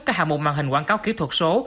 các hạng mục màn hình quảng cáo kỹ thuật số